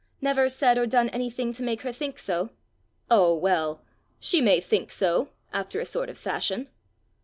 never said or done anything to make her think so?" "Oh, well! she may think so after a sort of a fashion!"